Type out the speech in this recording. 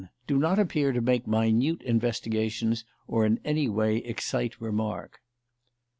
Do not appear to make minute investigations or in any way excite remark.